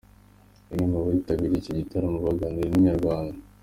Bamwe mu bitabiriye iki gitaramo baganiriye na Inyarwanda.